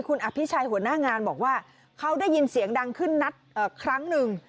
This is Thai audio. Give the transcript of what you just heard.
คุณอภิชัยหัวหน้างานบอกว่าเขาได้ยินเสียงดังขึ้นนัดครั้งหนึ่ง